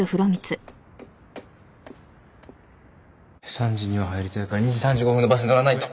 ３時には入りたいから２時３５分のバスに乗らないと